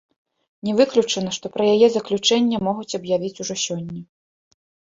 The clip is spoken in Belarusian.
Не выключана, што пра яе заключэнне могуць аб'явіць ужо сёння.